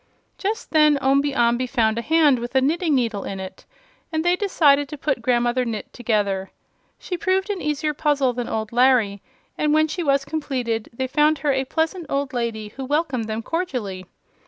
Just then Omby Amby found a hand with a knitting needle in it, and they decided to put Grandmother Gnit together. She proved an easier puzzle than old Larry, and when she was completed they found her a pleasant old lady who welcomed them cordially.